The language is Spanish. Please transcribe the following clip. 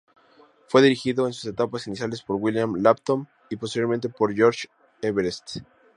Fue dirigido en sus etapas iniciales por William Lambton y posteriormente por George Everest.